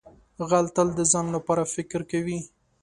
غل تل د ځان لپاره فکر کوي